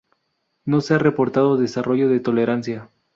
No se ha reportado desarrollo de tolerancia.